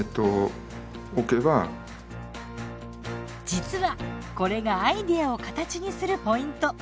実はこれがアイデアを形にするポイント。